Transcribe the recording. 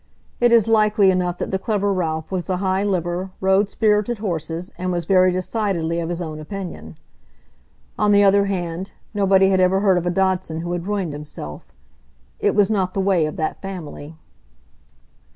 It is likely enough that the clever Ralph was a high liver, rode spirited horses, and was very decidedly of his own opinion. On the other hand, nobody had ever heard of a Dodson who had ruined himself; it was not the way of that family.